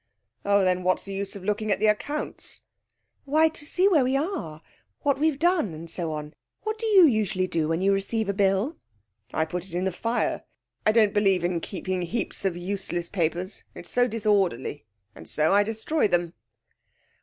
'Oh, then what's the use of looking at the accounts?' 'Why, to see where we are. What we've done, and so on. What do you usually do when you receive a bill?' 'I put it in the fire. I don't believe in keeping heaps of useless papers; it's so disorderly. And so I destroy them.'